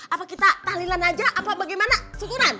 apa kita talilan aja apa bagaimana setunan